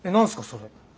それ。